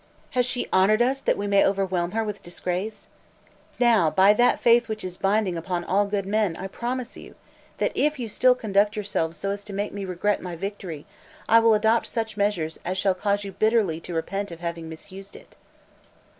Has she honored us that we may overwhelm her with disgrace? Now, by that faith which is binding upon all good men, I promise you, that if you still conduct yourselves so as to make me regret my victory, I will adopt such measures as shall cause you bitterly to repent of having misused it."